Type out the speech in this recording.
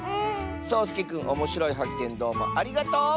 そうすけくんおもしろいはっけんどうもありがとう！